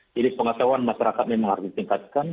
jadi pengasauan masyarakat memang harus ditingkatkan